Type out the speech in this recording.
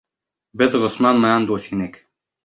Беҙ Ғосман менән дуҫ инек.